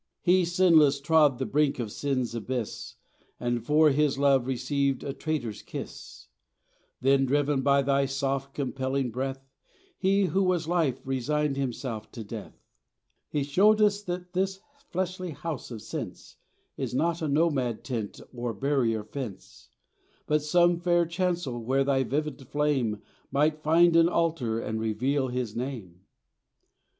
He, sinless, trod the brink of sin's abyss And for His love received a traitor's kiss; Then driven by thy soft compelling breath He, who was Life, resigned himself to death. He showed us that this fleshly house of sense Is not a nomad tent or barrier fence, But some fair chancel where thy vivid flame Might find an altar and reveal His name.